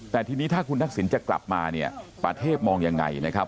แต่ทีนี้ถ้าคุณทักษิณจะกลับมาเนี่ยประเทศมองยังไงนะครับ